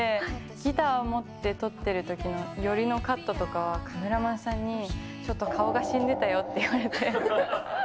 ギターを持って撮ってるときの寄りのカットとかは、カメラマンさんに、ちょっと顔が死んでたよって言われて。